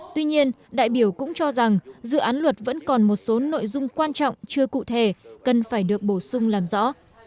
tuy nhiên đại biểu cũng cho rằng dự án luật vẫn còn một số nội dung quan trọng chưa cụ thể cần phải được bổ sung làm rõ